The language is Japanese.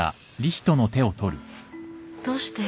どうして？